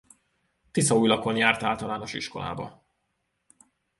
Tiszaújlakon járt általános iskolába.